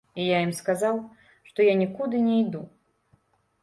І я ім сказаў, што я нікуды не іду.